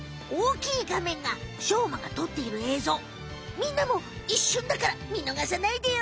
みんなもいっしゅんだから見のがさないでよ！